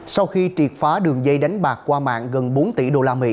sau khi triệt phá đường dây đánh bạc qua mạng gần bốn tỷ usd